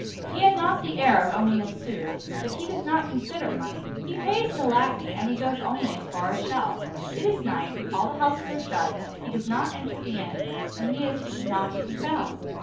He had not the air of owning a sou, but he does not consider money; he pays to Lagny, and he goes only as far as Chelles. It is night; all the houses are shut; he does not enter the inn, and he is not to be found.